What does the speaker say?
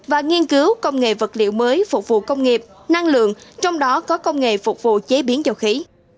và nghiên cứu công nghệ vật liệu mới phục vụ công nghiệp năng lượng trong đó có công nghệ phục vụ chế biến dầu khí